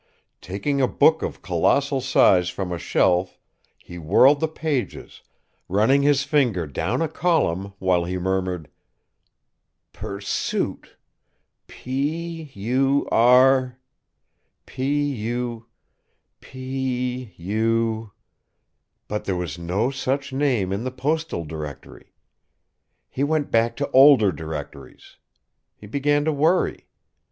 Taking a book of colossal size from a shelf, he whirled the pages, running his finger down a column while he murmured, "Pursuit P u r P u P u " But there was no such name in the postal directory. He went back to older directories. He began to worry.